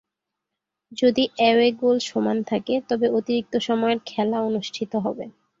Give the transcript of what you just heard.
যদি away goal সমান থাকে, তবে অতিরিক্ত সময়ের খেলা অনুষ্ঠিত হবে।